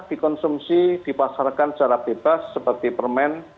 tidak bisa dikonsumsi dipasarkan secara bebas seperti permen